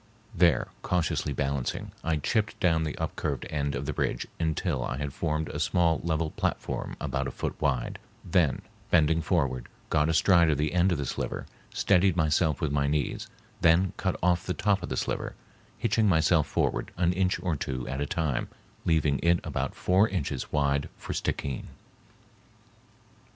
There, cautiously balancing, I chipped down the upcurved end of the bridge until I had formed a small level platform about a foot wide, then, bending forward, got astride of the end of the sliver, steadied myself with my knees, then cut off the top of the sliver, hitching myself forward an inch or two at a time, leaving it about four inches wide for Stickeen.